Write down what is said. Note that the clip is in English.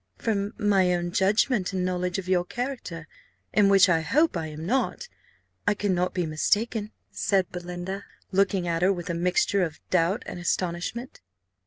"From my own judgment and knowledge of your character, in which I hope I am not I cannot be mistaken," said Belinda, looking at her with a mixture of doubt and astonishment.